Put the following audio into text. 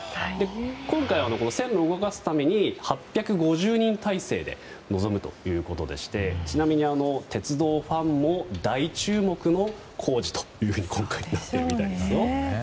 今回、線路を動かすために８５０人態勢で臨むということでしてちなみに鉄道ファンも大注目の工事と今回なっているみたいですよ。